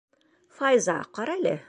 Файза, ҡара әле.